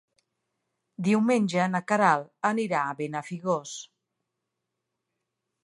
Diumenge na Queralt anirà a Benafigos.